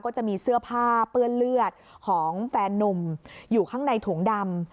จะมีเสื้อผ้าเปื้อนเลือดของแฟนนุ่มอยู่ข้างในถุงดำ